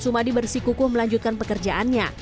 sumadi bersikukuh melanjutkan pekerjaannya